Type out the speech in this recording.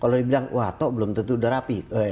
kalau dibilang wah toh belum tentu udah rapi